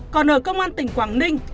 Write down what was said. còn ở công an tỉnh quảng ninh